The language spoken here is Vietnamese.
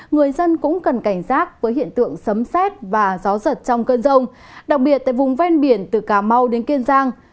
người dân cũng cần cảnh giác với hiện tượng sấm xét và gió giật trong cơn rông đặc biệt tại vùng ven biển từ cà mau đến kiên giang